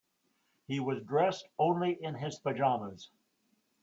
He was dressed only in his pajamas.